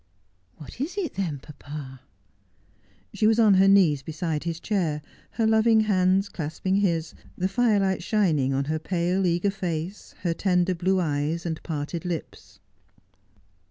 ' What is it then, papa ?' She was on her knees beside his chair, her loving hands clasping his, the firelight shining on her pale, eager face, her tender blue eyes, and parted lips.